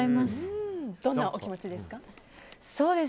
どんなお気持ちですか？